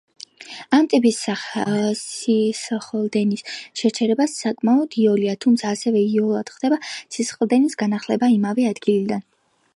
ამ ტიპის სისხლდენის შეჩერება საკმაოდ იოლია, თუმცა ასევე იოლად ხდება სისხლდენის განახლება იმავე ადგილიდან.